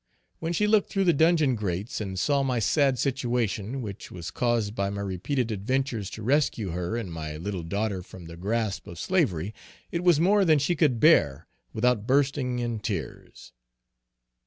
When she looked through the dungeon grates and saw my sad situation, which was caused by my repeated adventures to rescue her and my little daughter from the grasp of slavery, it was more than she could bear without bursting in tears.